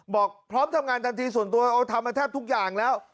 บอกพร้อมทำงานทันทีส่วนตัวเอาทำมาแทบทุกอย่างแล้ว